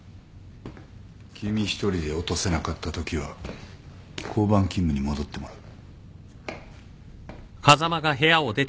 君一人で落とせなかったときは交番勤務に戻ってもらう。